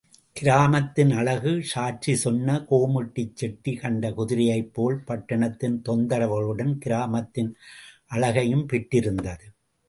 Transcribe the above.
கிராமத்தின் அழகு சாட்சி சொன்ன கோமுட்டிச் செட்டி கண்ட குதிரையைப் போல், பட்டணத்தின் தொந்தரவுகளுடன் கிராமத்தின் அழகையும் பெற்றிருந்தது.